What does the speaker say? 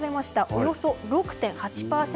およそ６．８％。